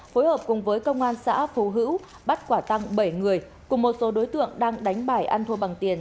phối hợp cùng với công an xã phú hữu bắt quả tăng bảy người cùng một số đối tượng đang đánh bài ăn thua bằng tiền